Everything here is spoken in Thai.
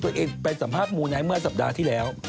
ตัวเองไปสัมภาษณ์มูไนท์เมื่อสัปดาห์ที่แล้ว